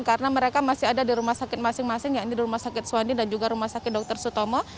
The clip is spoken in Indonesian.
karena mereka masih ada di rumah sakit masing masing ya ini rumah sakit suwani dan juga rumah sakit dokter sutomo